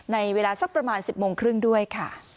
ในเวลาสักประมาณ๑๐โมงครึ่งด้วยค่ะ